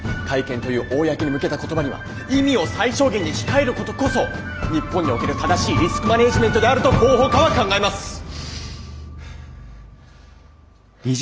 会見という公に向けた言葉には意味を最小限に控えることこそ日本における正しいリスクマネージメントであると広報課は考えます！